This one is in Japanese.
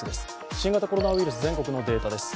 新型コロナウイルス全国のデータです。